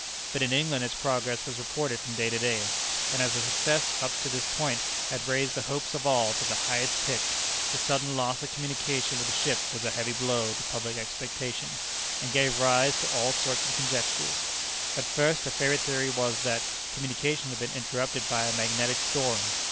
But in England its progress was reported from day to day, and as the success up to this point had raised the hopes of all to the highest pitch, the sudden loss of communication with the ship was a heavy blow to public expectation, and gave rise to all sorts of conjectures. At first a favorite theory was, that communication had been interrupted by a magnetic storm.